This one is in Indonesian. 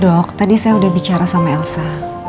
dok tadi saya udah bicara sama elsa